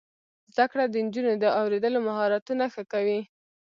زده کړه د نجونو د اوریدلو مهارتونه ښه کوي.